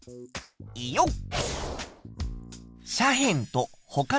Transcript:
よっ！